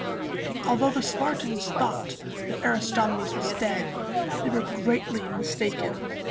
Although the Spartans thought that Aristomenes was dead, they were greatly mistaken.